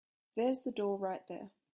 There's the door right there.